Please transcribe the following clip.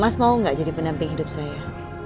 mas mau gak jadi pendamping hidup saya